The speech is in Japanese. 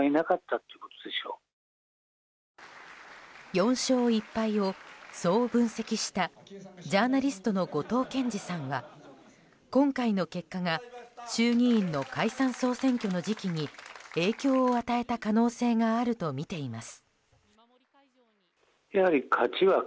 ４勝１敗をそう分析したジャーナリストの後藤謙次さんは今回の結果が衆議院の解散・総選挙の時期に影響を与えた可能性があるとみています。